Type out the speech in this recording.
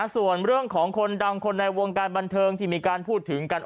ส่วนเรื่องของคนดังคนในวงการบันเทิงที่มีการพูดถึงกัน